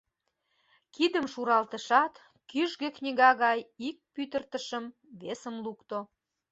Кидым шуралтышат, кӱжгӧ книга гай ик пӱтыртышым, весым, лукто.